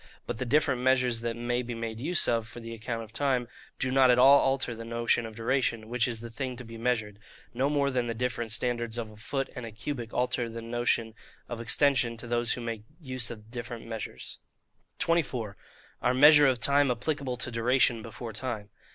But the different measures that may be made use of for the account of time, do not at all alter the notion of duration, which is the thing to be measured; no more than the different standards of a foot and a cubit alter the notion of extension to those who make use of those different measures. 24. Our Measure of Time applicable to Duration before Time.